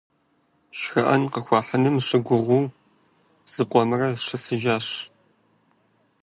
ШхыӀэн къыхуахьыным щыгугъыу зыкъомрэ щысыжащ.